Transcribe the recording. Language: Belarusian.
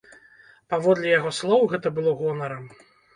Паводле яго слоў, гэта было гонарам.